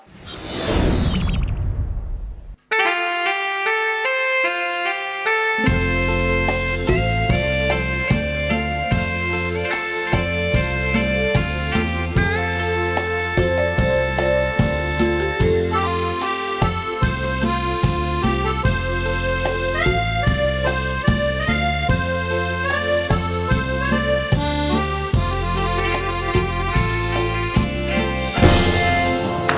เพลงนี้อินโทรเพลงที่๔มูลค่า๖๐๐๐๐บาท